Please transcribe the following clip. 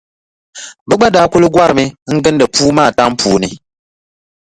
Bɛ gba daa kuli gɔrimi n-gindi puu maa tam puuni.